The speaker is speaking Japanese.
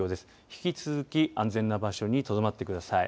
引き続き安全な場所にとどまってください。